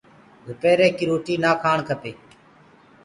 دُپيري ڪي روتي نآ کآڻ کپي۔